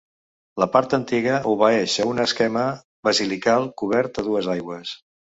La part antiga obeeix a un esquema basilical, cobert a dues aigües.